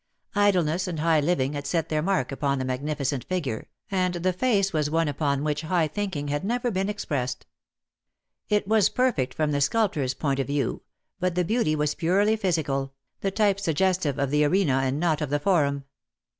Idleness and high living had set their mark upon the magnificent figure, and the face was one upon which high thinking had never been expressed. It was perfect from the sculptor's point of view, but the beauty was purely physical, the type suggestive of the arena and not of the forum.